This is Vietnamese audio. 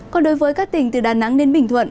còn đối với các tỉnh từ đà nẵng đến bình thuận